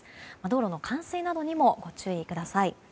道路の冠水などにもご注意ください。